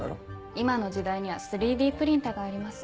今の時代には３Ｄプリンターがあります。